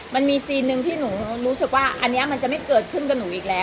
มันมีซีนหนึ่งที่หนูรู้สึกว่าอันนี้มันจะไม่เกิดขึ้นกับหนูอีกแล้ว